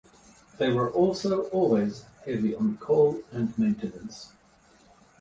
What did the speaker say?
They were also always heavy on coal and maintenance.